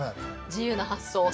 自由な発想。